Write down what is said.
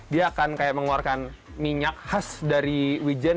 dia akan kayak mengeluarkan minyak khas dari wijen